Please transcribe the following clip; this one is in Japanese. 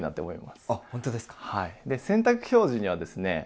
で洗濯表示にはですね